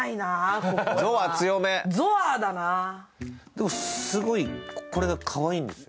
でも、すごい、これがかわいいんです。